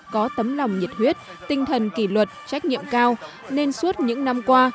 có tấm lòng nhiệt huyết tinh thần kỷ luật trách nhiệm cao nên suốt những năm qua